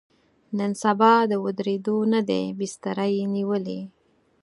نن سبا د ودرېدو نه دی، بستره یې نیولې.